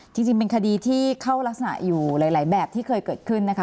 จริงเป็นคดีที่เข้ารักษณะอยู่หลายแบบที่เคยเกิดขึ้นนะคะ